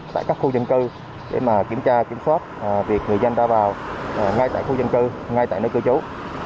tại các khu dân cư để kiểm tra kiểm soát việc người dân ra vào ngay tại khu dân cư ngay tại nơi cư trú